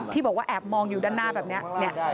บอกว่าแอบมองอยู่ด้านหน้าแบบนี้